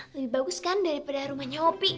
lebih bagus kan daripada rumahnya opi